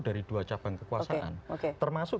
dari dua cabang kekuasaan termasuk